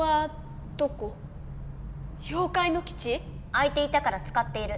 空いてたから使っている。